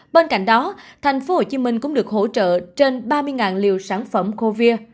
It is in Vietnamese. bên cạnh đó tp hcm cũng được hỗ trợ trên ba mươi liều sản phẩm covir